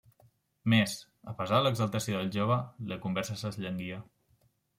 Més, a pesar de l'exaltació del jove, la conversa s'esllanguia.